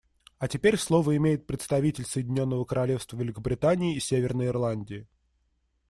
А теперь слово имеет представитель Соединенного Королевства Великобритании и Северной Ирландии.